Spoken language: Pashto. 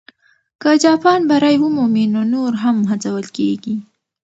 که جاپان بری ومومي، نو نور هم هڅول کېږي.